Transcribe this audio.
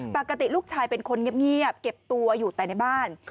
ปกติลูกชายเป็นคนเงียบเก็บตัวอยู่แต่ในบ้าน